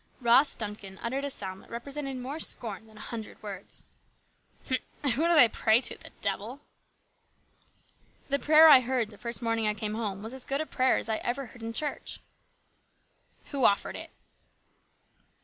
Ross Duncan uttered a sound that represented more scorn than a hundred words. " Who do they pray to ? The devil ?"" The prayer I heard the first morning I came home was as good a prayer as I ever heard in church." " Who offered it